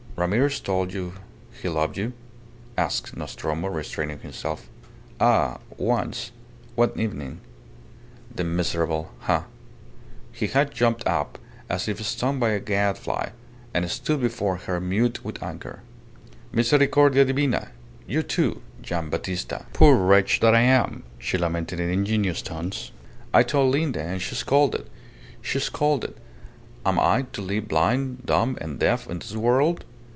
"Ramirez told you he loved you?" asked Nostromo, restraining himself. "Ah! once one evening ..." "The miserable ... Ha!" He had jumped up as if stung by a gad fly, and stood before her mute with anger. "Misericordia Divina! You, too, Gian' Battista! Poor wretch that I am!" she lamented in ingenuous tones. "I told Linda, and she scolded she scolded. Am I to live blind, dumb, and deaf in this world?